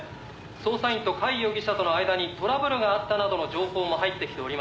「捜査員と甲斐容疑者との間にトラブルがあったなどの情報も入ってきておりません」